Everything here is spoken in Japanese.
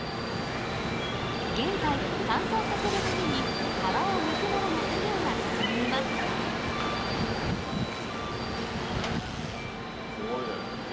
現在乾燥させるために皮をむくなどの作業が進んでいますすごいね。